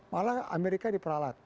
malah amerika diperalat